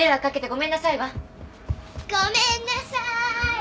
ごめんなさーい。